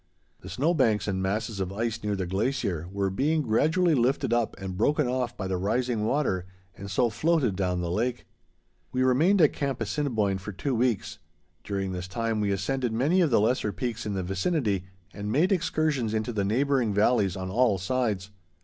The snow banks and masses of ice near the glacier were being gradually lifted up and broken off by the rising water, and so floated down the lake. We remained at Camp Assiniboine for two weeks. During this time we ascended many of the lesser peaks in the vicinity, and made excursions into the neighboring valleys on all sides.